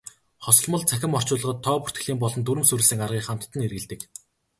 Хосолмол цахим орчуулгад тоо бүртгэлийн болон дүрэм суурилсан аргыг хамтад нь хэрэглэдэг.